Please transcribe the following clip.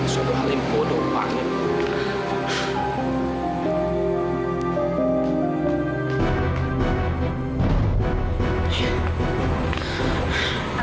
suara halim bodoh banget